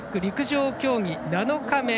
陸上競技７日目。